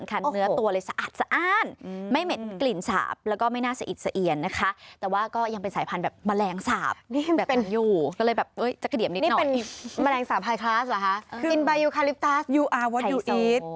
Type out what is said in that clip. คืออินบายูคาลิปตาสไฮโซเหมือนกันเลยมันจะหอมไหม